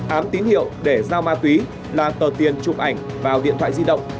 ám tín hiệu để giao ma túy là tờ tiền chụp ảnh vào điện thoại di động